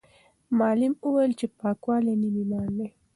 معلم وویل چې پاکوالی نیم ایمان دی.